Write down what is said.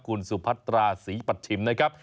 คุณสุพัตราศรีปัชชิมนะครับ